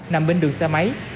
nằm bên đường xe máy